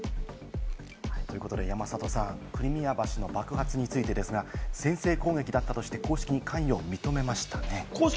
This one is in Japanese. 山里さん、クリミア橋の爆発についてですが、先制攻撃だったとして公式に関与を認めましたね。